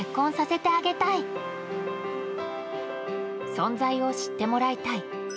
存在を知ってもらいたい。